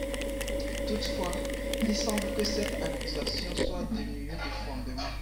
Toutefois, il semble que cette accusation soit dénuée de fondement.